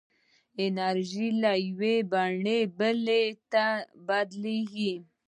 انرژي له یوې بڼې بلې ته بدلېږي.